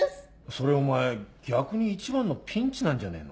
それお前逆に一番のピンチなんじゃねえの？